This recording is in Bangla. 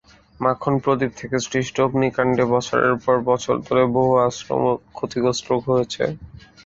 মাখন প্রদীপ থেকে সৃষ্ট অগ্নিকাণ্ডে বছরের পর বছর ধরে বহু আশ্রম ক্ষতিগ্রস্ত হয়েছে।